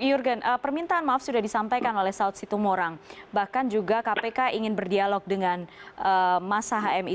yurgen permintaan maaf sudah disampaikan oleh saud situmorang bahkan juga kpk ingin berdialog dengan masa hmi